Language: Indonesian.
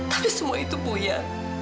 tapi semua itu bu ya